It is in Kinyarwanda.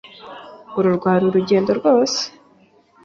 Uru rwari urugendo rwose.